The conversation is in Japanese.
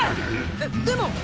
えっでも。